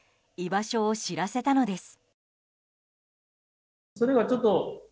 場所を知らせたのです。